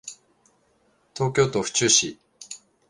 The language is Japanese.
東京都府中市